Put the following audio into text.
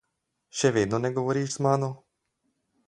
Še vedno ne govoriš z mano?